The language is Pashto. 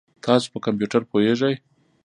تاسو په کمپیوټر پوهیږئ؟